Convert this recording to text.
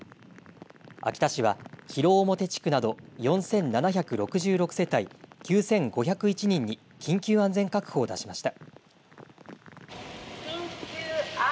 秋田市は広面地区など４７６６世帯９５０１人に緊急安全確保を出しました。